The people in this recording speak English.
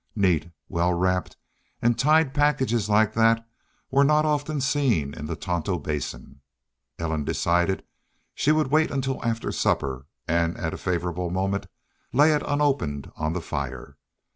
Neat, well wrapped and tied packages like that were not often seen in the Tonto Basin. Ellen decided she would wait until after supper, and at a favorable moment lay it unopened on the fire.